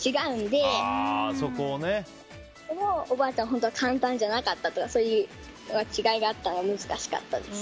本当は簡単じゃなかったとかそういう違いがあったので難しかったです。